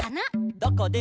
「どこでも」